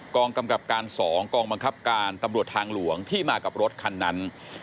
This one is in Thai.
กองกำกับการ๒กองบังคับการตำรวจทางหลวงที่มากับรถคันนั้น